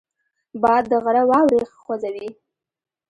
باد د غره واورې خوځوي